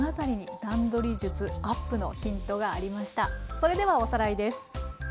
それではおさらいです。